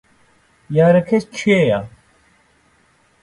یارەکەت کێیە؟